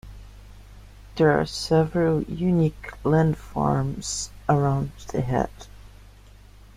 There are several unique landforms around the head.